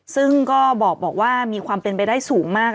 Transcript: ซึ่งก็บอกว่ามีความเป็นไปได้สูงมาก